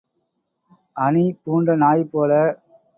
அணி பூண்ட நாய் போல.